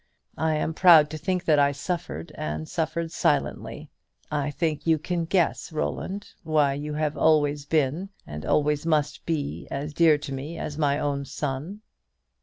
I am proud to think that I suffered, and suffered silently. I think you can guess, Roland, why you have always been, and always must be, as dear to me as my own son."